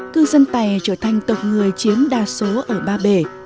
cư dân tày trở thành tộc người chiếm đa số ở ba bể